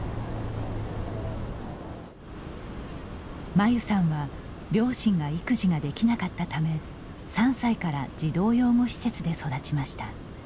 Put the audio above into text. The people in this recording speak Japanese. まゆさんは両親が育児ができなかったため３歳から児童養護施設で育ちました。